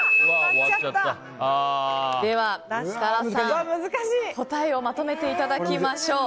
では、設楽さん答えをまとめていただきましょう。